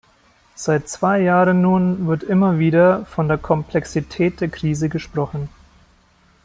Seit zwei Jahren nun wird immer wieder von der Komplexität der Krise gesprochen.